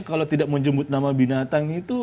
kalau tidak menjemput nama binatang itu